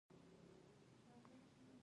سیلابونه زیان رسوي